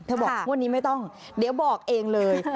บอกงวดนี้ไม่ต้องเดี๋ยวบอกเองเลย